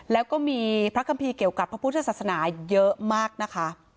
แล้วก็มีพระคัมภีร์เกี่ยวกับพระพุทธศาสนาเยอะมากนะคะ